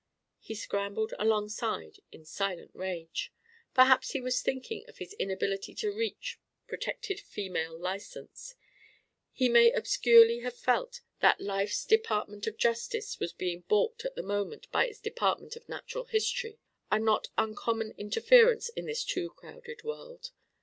He scrambled alongside in silent rage. Perhaps he was thinking of his inability to reach protected female license. He may obscurely have felt that life's department of justice was being balked at the moment by its department of natural history a not uncommon interference in this too crowded world.